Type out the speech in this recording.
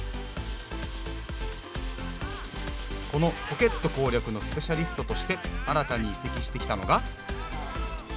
このポケット攻略のスペシャリストとして新たに移籍してきたのが。